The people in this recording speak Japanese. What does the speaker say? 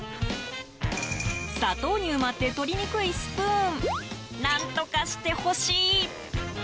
砂糖に埋まって取りにくいスプーン、何とかしてほしい。